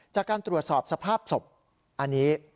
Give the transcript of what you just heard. จากการตรวจสอบสภาพศพอันนี้